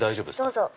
どうぞ。